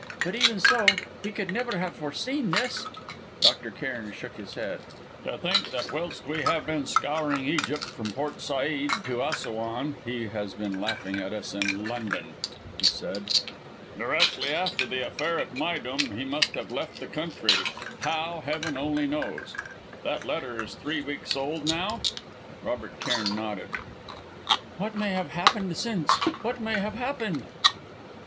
But even so we could never have foreseen this." Dr. Cairn shook his head. "To think that whilst we have been scouring Egypt from Port Said to Assouan he has been laughing at us in London!" he said. "Directly after the affair at Méydûm he must have left the country how, Heaven only knows. That letter is three weeks old, now?" Robert Cairn nodded. "What may have happened since what may have happened!"